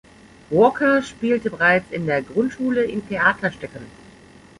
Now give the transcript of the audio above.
Walker spielte bereits in der Grundschule in Theaterstücken.